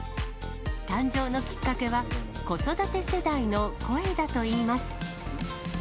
誕生のきっかけは、子育て世代の声だといいます。